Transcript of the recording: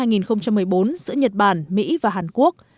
giữa nhật bản mỹ và hàn quốc